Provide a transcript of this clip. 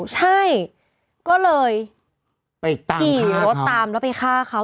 ใช่ก็เลยหิวแล้วตามแล้วไปฆ่าเขา